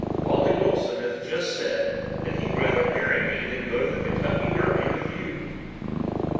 "Wally Wilson has just said that he'd rather marry me than go to the Kentucky Derby with you."